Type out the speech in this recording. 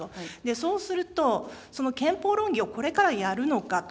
そうすると、その憲法論議をこれからやるのかと。